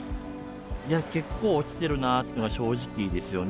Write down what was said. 結構落ちてるなっていうのが正直ですよね。